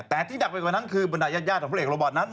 แต่ที่หนักไปกว่านั้นคือบรรดายาดของพระเอกโรบอตนั้น